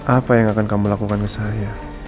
apa yang akan kamu lakukan ke saya